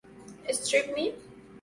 Strip Me?